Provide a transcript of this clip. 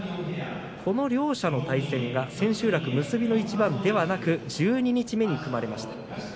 この両者の対戦が千秋楽結びの一番ではなく十二日目に組まれました。